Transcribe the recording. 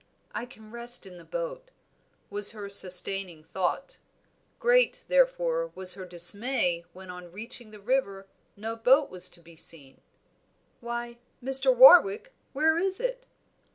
"I can rest in the boat," was her sustaining thought; great therefore was her dismay when on reaching the river no boat was to be seen. "Why, Mr. Warwick, where is it?"